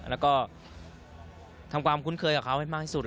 แล้วก็ทำความคุ้นเคยกับเขาให้มากที่สุด